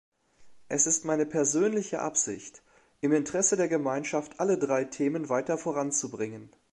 Es ist meine persönliche Absicht, im Interesse der Gemeinschaft alle drei Themen weitervoranzubringen.